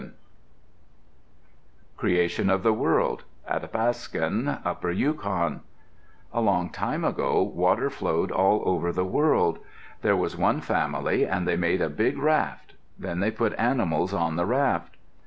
Andrews_] CREATION OF THE WORLD Athapascan (Upper Yukon) A long time ago, water flowed all over the world. There was one family and they made a big raft. Then they put animals on the raft.